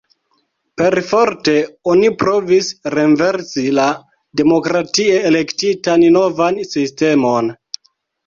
Perforte oni provis renversi la demokratie elektitan novan sistemon.